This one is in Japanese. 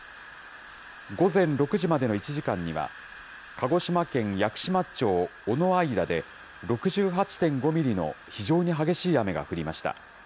午前６時までの１時間には、鹿児島県屋久島町尾之間で６８．５ミリの非常に激しい雨が降りました。